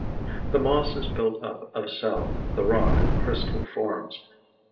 The moss is built up of cell, the rock of crystal forms.